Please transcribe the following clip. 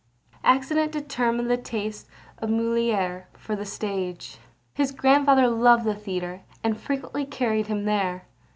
Accident determined the taste of Molière for the stage. His grandfather loved the theatre, and frequently carried him there.